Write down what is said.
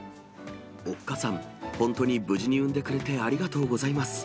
オッカさん、本当に無事に産んでくれてありがとうございます。